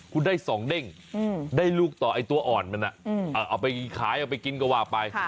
คุณได้๒เด้งได้ลูกต่อไอ้ตัวอ่อนมันเอาไปขายเอาไปกินก็ว่าไป